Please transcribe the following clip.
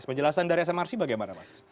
penjelasan dari smr sih bagaimana mas